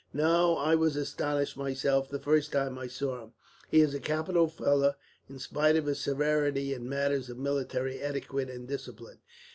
"No; I was astonished myself, the first time I saw him. He is a capital fellow, in spite of his severity in matters of military etiquette and discipline.